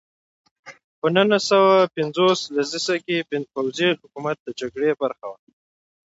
په نولس سوه پنځوس لسیزه کې پوځي حکومت د جګړې برخه وه.